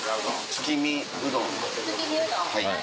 月見うどんはい。